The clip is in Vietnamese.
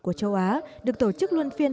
của châu á được tổ chức luôn phiên